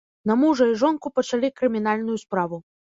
На мужа і жонку пачалі крымінальную справу.